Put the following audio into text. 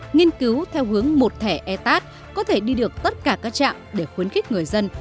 nghiên cứu theo hướng một thẻ etat có thể đi được tất cả các trạm để khuyến khích người dân